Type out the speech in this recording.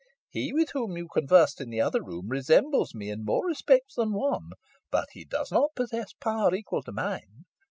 He with whom you conversed in the other room, resembles me in more respects than one, but he does not possess power equal to mine.